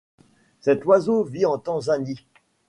Cet oiseau vit en Tanzanie.